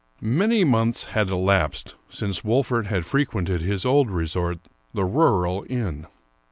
Many months had elapsed since Wolfert had frequented his old resort, the rural inn.